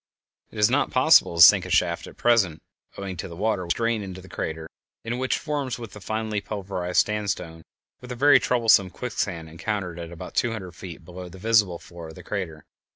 It is not possible to sink a shaft at present, owing to the water which has drained into the crater, and which forms, with the finely pulverized sandstone, a very troublesome quicksand encountered at about two hundred feet below the visible floor of the crater.